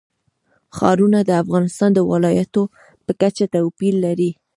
ښارونه د افغانستان د ولایاتو په کچه توپیر لري.